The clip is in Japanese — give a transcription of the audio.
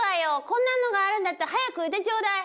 こんなのがあるんだったら早く言ってちょうだい！